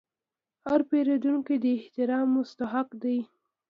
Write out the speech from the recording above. هر پیرودونکی د احترام مستحق دی.